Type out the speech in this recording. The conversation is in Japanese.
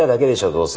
どうせ。